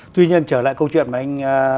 tuy nhiên trở lại câu chuyện mà anh